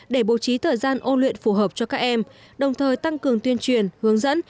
để bố trí thời gian ôn luyện phù hợp cho các em đồng thời tăng cường tuyên truyền hướng dẫn